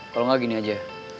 kalau gak gini aja